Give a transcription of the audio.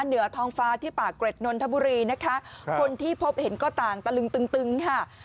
เหนือท้องฟ้าที่ปากเกร็ดนนทบุรีนะคะคนที่พบเห็นก็ต่างตะลึงตึงตึงค่ะ